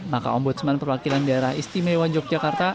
maka ombudsman perwakilan daerah istimewa yogyakarta